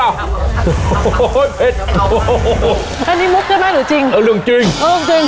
โอ้โฮเพชรโอ้โฮอันนี้มุบขึ้นมาหรือจริงเอาเรื่องจริงเออจริง